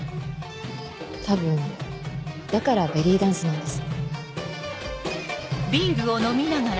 多分だからベリーダンスなんです